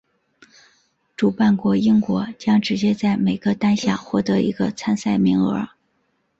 主办国英国将直接在每个单项获得一个参赛名额。